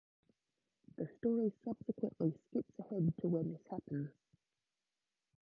The story subsequently skips ahead to when this happens.